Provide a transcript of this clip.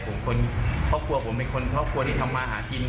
ผมคนครอบครัวผมเป็นคนครอบครัวที่ทำมาหากิน